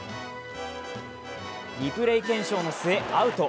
リプレー検証の末、アウト。